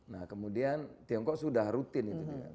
nah kemudian tiongkok sudah rutin itu